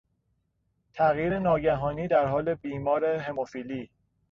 تغییر ناگهانی در حال بیمار هموفیلی